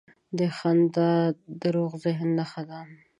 • خندا د روغ ذهن نښه ده.